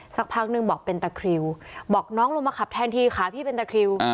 สักพักนึงบอกเป็นตะคริวบอกน้องลงมาขับแทนทีขาพี่เป็นตะคริว